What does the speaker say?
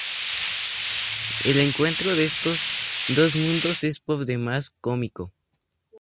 El encuentro de estos dos mundos es por demás cómico.